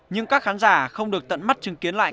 nhưng các khán giả không được tận mắt chứng kiến lại